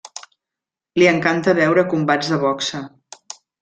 Li encanta veure combats de boxa.